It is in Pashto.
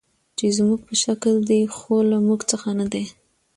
چې زموږ په شکل دي، خو له موږ څخه نه دي.